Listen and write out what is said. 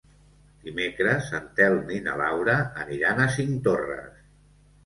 Dimecres en Telm i na Laura aniran a Cinctorres.